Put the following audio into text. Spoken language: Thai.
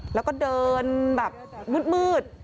แล้วก็เดินแบบมืด